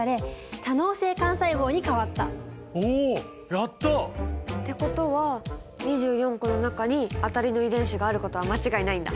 やった！ってことは２４個の中に当たりの遺伝子があることは間違いないんだ。